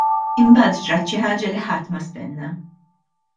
Imbagħad ġrat xi ħaġa li ħadd ma stenna.